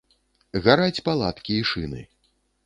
Гараць палаткі і шыны.